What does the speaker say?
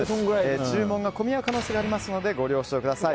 注文が混み合う可能性がありますのでご了承ください。